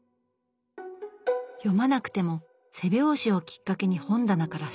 読まなくても背表紙をきっかけに本棚から刺激を受ける。